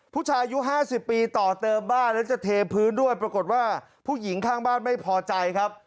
ผู้ชายอายุ๕๐ปีต่อเติมบ้านแล้วจะเทพื้นด้วยปรากฏว่าผู้หญิงข้างบ้านไม่พอใจครับ